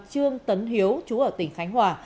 trương tấn hiếu chú ở tỉnh khánh hòa